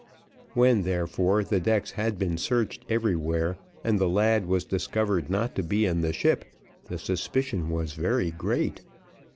When, therefore, the decks had been searched everywhere and the lad was discovered not to be in the ship, the suspicion was very great.